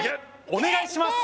お願いします